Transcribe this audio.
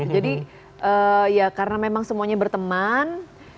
jadi karena memang semuanya berteman